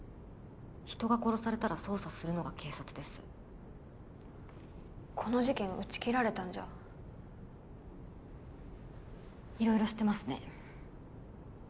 人が殺されたら捜査するのが警察ですこの事件打ち切られたんじゃいろいろ知ってますね